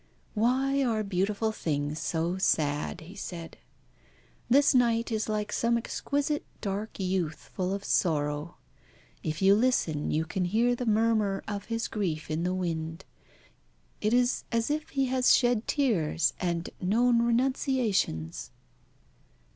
"Why are beautiful things so sad?" he said. "This night is like some exquisite dark youth full of sorrow. If you listen, you can hear the murmur of his grief in the wind. It is as if he had shed tears, and known renunciations."